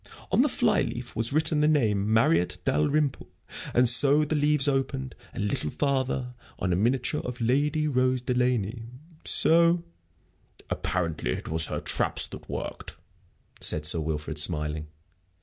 On the fly leaf was written the name Marriott Dalrymple, and the leaves opened, a little farther, on a miniature of Lady Rose Delaney. So " "Apparently it was her traps that worked," said Sir Wilfrid, smiling.